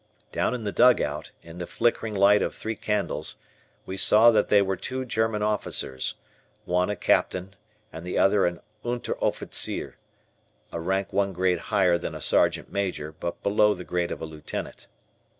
Down in the dugout, in the flickering light of three candles, we saw that they were two German officers, one a captain and the other an unteroffizier, a rank one grade higher than a sergeant major, but below the grade of a lieutenant.